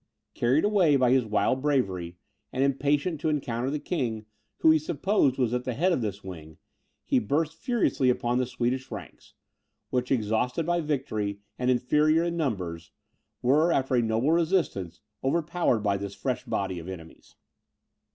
Carried away by his wild bravery, and impatient to encounter the king, who he supposed was at the head of this wing, he burst furiously upon the Swedish ranks, which, exhausted by victory, and inferior in numbers, were, after a noble resistance, overpowered by this fresh body of enemies.